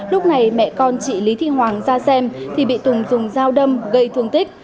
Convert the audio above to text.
lúc này mẹ con chị lý thị hoàng ra xem thì bị tùng dùng dao đâm gây thương tích